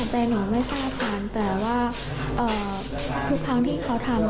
แต่หนูไม่ทราบค่ะแต่ว่าทุกครั้งที่เขาทำ